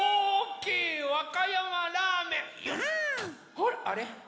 ほらあれ？